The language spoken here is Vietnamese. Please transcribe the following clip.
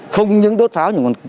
không những đốt pháo nhưng các việc